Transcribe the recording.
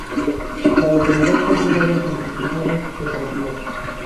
La localidad posee varias instituciones deportivas.